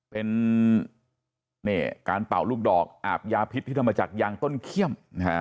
เป็นการเป่าลูกดอกอาบยาพิษที่ทำมาจากยางต้นเขี้ยม